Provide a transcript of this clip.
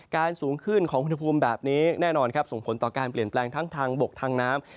สูงขึ้นของอุณหภูมิแบบนี้แน่นอนครับส่งผลต่อการเปลี่ยนแปลงทั้งทางบกทางน้ำ